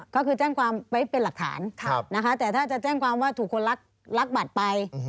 ก็คือแจ้งความไว้เป็นหลักฐานนะคะแต่ถ้าจะแจ้งความว่าถูกคนรักบัตรไป